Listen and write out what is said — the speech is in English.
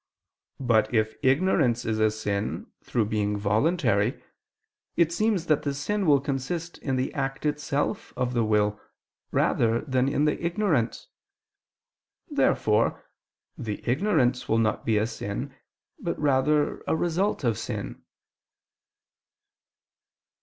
But if ignorance is a sin, through being voluntary, it seems that the sin will consist in the act itself of the will, rather than in the ignorance. Therefore the ignorance will not be a sin, but rather a result of sin.